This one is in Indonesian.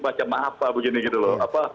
macam apa begini gitu loh